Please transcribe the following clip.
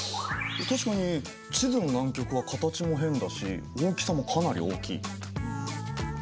確かに地図の南極は形も変だし大きさもかなり大きい。